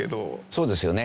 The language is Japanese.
そうですよね。